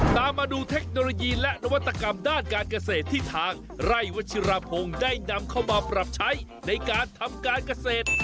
ตามมาดูเทคโนโลยีและนวัตกรรมด้านการเกษตรที่ทางไร่วัชิรพงศ์ได้นำเข้ามาปรับใช้ในการทำการเกษตร